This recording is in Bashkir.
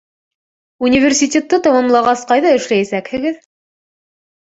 Университетты тамамлағас ҡайҙа эшләйәсәкһегеҙ?